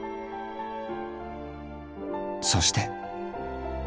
そして。